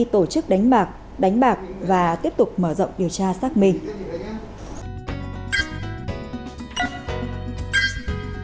tổ chức đánh bạc đánh bạc và tiếp tục mở rộng điều tra xác minh